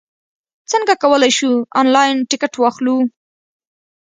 څنګه کولای شو، انلاین ټکټ واخلو؟